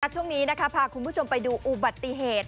ช่วงนี้พาคุณผู้ชมไปดูอุบัติเหตุ